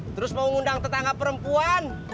terus mau ngundang tetangga perempuan